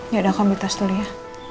gak ada komitas dulu ya